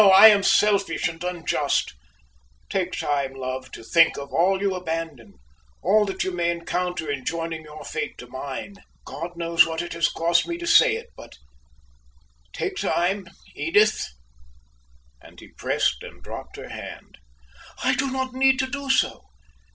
I am selfish and unjust. Take time, love, to think of all you abandon, all that you may encounter in joining your fate to mine. God knows what it has cost me to say it but take time, Edith," and he pressed and dropped her hand. "I do not need to do so.